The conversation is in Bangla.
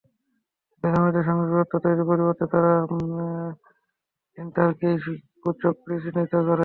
কিন্তু জামায়াতের সঙ্গে দূরত্ব তৈরির পরিবর্তে তারা লিন্টনারকেই কুচক্রী চিহ্নিত করে।